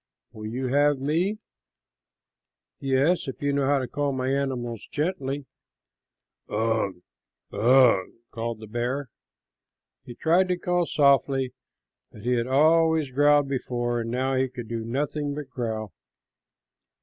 "Will you have me?" "Yes, if you know how to call my animals gently." "Ugh, ugh," called the bear. He tried to call softly, but he had always growled before, and now he could do nothing but growl.